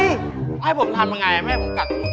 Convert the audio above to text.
ข้าให้ผมทานว่าอย่างไรไม่ให้ผมกัด